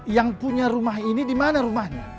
yang punya rumah ini di mana rumahnya